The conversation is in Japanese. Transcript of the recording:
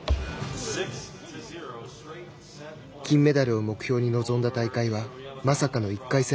金メダルを目標に臨んだ大会はまさかの１回戦